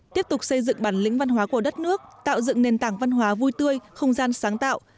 tiếp tục xây dựng bản lĩnh văn hóa của đất nước tạo dựng nền tảng văn hóa vui tươi không gian sáng tạo